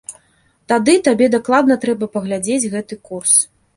Тады табе дакладны трэба паглядзець гэты курс!